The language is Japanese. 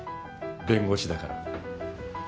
弁護士だから。